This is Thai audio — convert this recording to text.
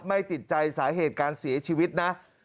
ไม่ติดใจสาเหตุการเสียชีวิตนะ